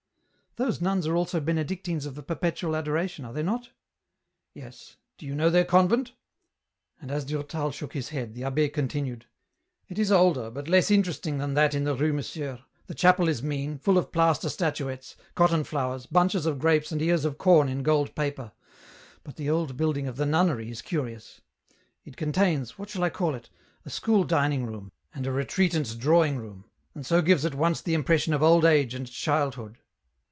"Those nuns are also Benedictines of the perpetual Adoration, are they not ?"" Yes, do you know their convent ?" And as Durtal shook his head, the abbe continued, —" It is older, but less interesting than that in the Rue Monsieur, the chapel is mean, full of plaster statuettes, cotton flowers, bunches of grapes and ears of com in gold paper, but the old building of the nunnery is curious. It contains, what shall I call it ? a school dining room, and a retreatant's drawing room, and so gives at once the impression of old age and childhood."